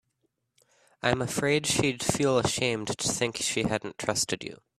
I'm afraid she'd feel ashamed to think she hadn't trusted you.